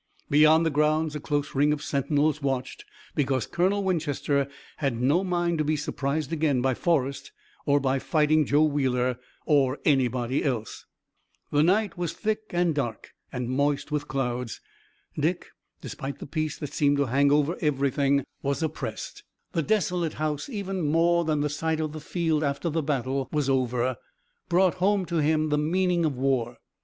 Beyond the grounds a close ring of sentinels watched, because Colonel Winchester had no mind to be surprised again by Forrest or by Fighting Joe Wheeler or anybody else. The night was thick and dark and moist with clouds. Dick, despite the peace that seemed to hang over everything, was oppressed. The desolate house, even more than the sight of the field after the battle was over, brought home to him the meaning of war.